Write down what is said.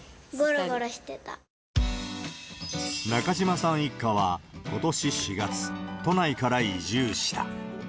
中嶋さん一家は、ことし４月、都内から移住した。